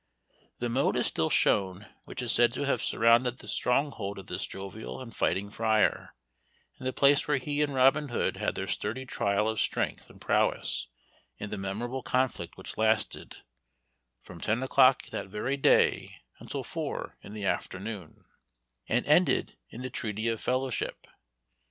The moat is still shown which is said to have surrounded the stronghold of this jovial and fighting friar; and the place where he and Robin Hood had their sturdy trial of strength and prowess, in the memorable conflict which lasted "From ten o'clock that very day Until four in the afternoon," and ended in the treaty of fellowship.